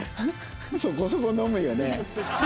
そこそこ飲むよね。